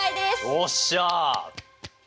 よっしゃ！